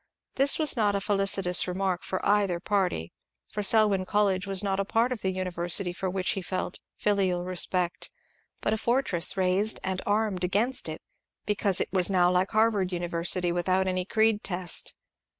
This was not a felicitous remark for either party, for Sel wyn College was not a part of the university for which he felt " filial respect," but a fortress raised and armed against it because it was now like Harvard University without any creed test.